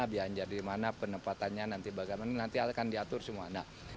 biar jadi mana penempatannya nanti bagaimana nanti akan diatur semua